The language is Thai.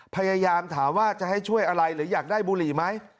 พยายามถามว่าจะให้ช่วยอะไรหรืออยากได้บุหรี่ไหม